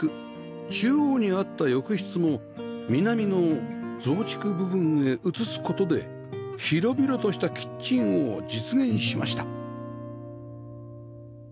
中央にあった浴室も南の増築部分へ移す事で広々としたキッチンを実現しました